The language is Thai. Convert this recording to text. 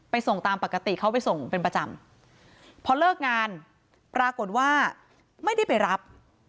ส่งตามปกติเขาไปส่งเป็นประจำพอเลิกงานปรากฏว่าไม่ได้ไปรับ